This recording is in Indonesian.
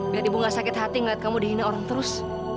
biar dibuka sakit hati ngeliat kamu dihina orang terus